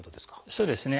そうですね。